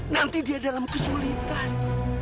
nanti dia dalam kesulitan